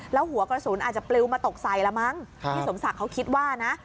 แล้วหัวกระสุนอาจจะปลิวมาตกใส่ละมั้งพี่สมศักดิ์เขาคิดว่านะ